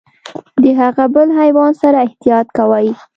د هغه بل حیوان سره احتياط کوئ .